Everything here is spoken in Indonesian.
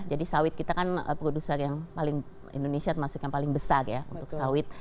sawit kita kan produser yang paling indonesia termasuk yang paling besar ya untuk sawit